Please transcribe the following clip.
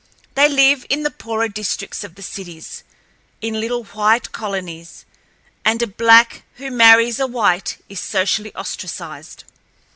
They live in the poorer districts of the cities, in little white colonies, and a black who marries a white is socially ostracized.